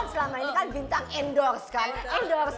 pernah duluan kamu colorado